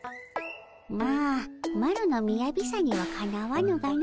まあマロのみやびさにはかなわぬがの。